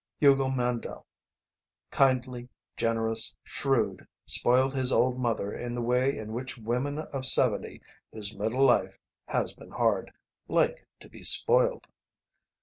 Hugo Mandle, kindly, generous, shrewd, spoiled his old mother in the way in which women of seventy, whose middle life has been hard, like to be spoiled.